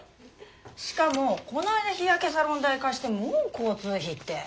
しかもこないだ日焼けサロン代貸してもう交通費って。